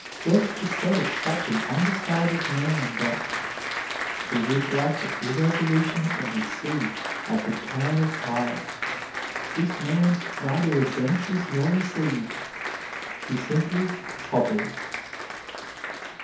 Webster said of such an undecided man that "he is like the irresolution of the sea at the turn of tide. This man neither advances nor recedes; he simply hovers."